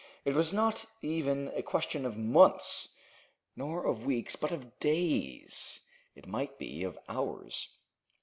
It was not even a question of months, nor of weeks, but of days; it might be of hours.